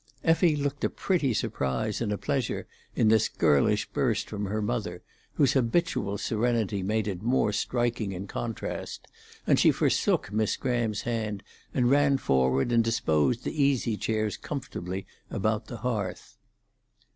Effie looked a pretty surprise and a pleasure in this girlish burst from her mother, whose habitual serenity made it more striking in contrast, and she forsook Miss Graham's hand and ran forward and disposed the easy chairs comfortably about the hearth.